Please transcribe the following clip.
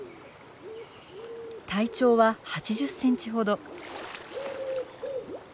体長は８０センチほど。